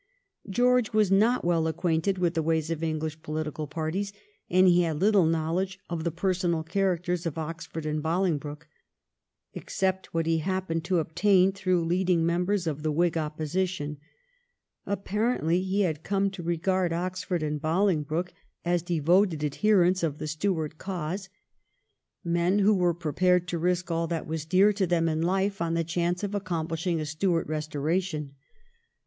George was not well acquainted with the ways of English political parties, and he had little knowledge of the personal characters of Oxford and Bolingbroke, except what he happened to obtain through leading members of the Whig Opposition. Apparently he had come to regard Oxford and Bolingbroke as 1713 14 WHIG ALARMS. 267 devoted adherents of the Stuart cause, men who were prepared to risk all that was dear to them in life on the chance of accomplishing a Stuart restoration.